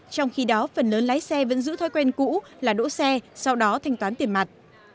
trong khi đó phần lớn lái xe vẫn giữ thói quen cũ là đỗ xe sau đó thanh toán tiền mặt